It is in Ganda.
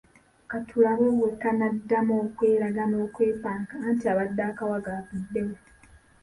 Ka tulabe bwe kanaddamu okweraga n'okwepanka, anti abadde akawaga avuddewo.